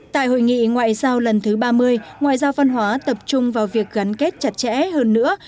tại hội nghị ngoại giao lần thứ ba mươi ngoại giao văn hóa tập trung vào việc gắn kết chặt chẽ hơn nữa